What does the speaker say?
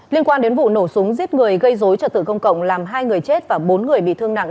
liên quan đến vụ nổ súng giết người gây dối trật tự công cộng làm hai người chết và bốn người bị thương nặng